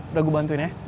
udah gua bantuin ya